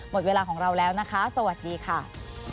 หมดเวลาของเราแล้วนะคะสวัสดีค่ะ